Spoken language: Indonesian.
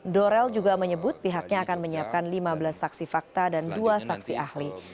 dorel juga menyebut pihaknya akan menyiapkan lima belas saksi fakta dan dua saksi ahli